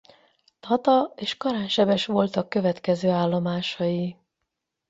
Tata és Karánsebes voltak következő állomásai.